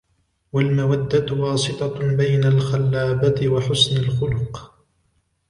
وَالْمَوَدَّةُ وَاسِطَةٌ بَيْنَ الْخَلَّابَةِ وَحُسْنِ الْخُلُقِ